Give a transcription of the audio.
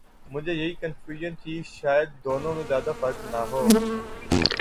مجھے یہی کنفیوژن تھی شاید دونوں میں زیادہ فرق نہ ہو۔۔